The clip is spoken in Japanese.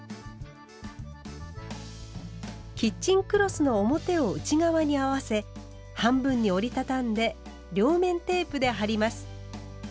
キッチンクロスの表を内側に合わせ半分に折り畳んで両面テープで貼ります。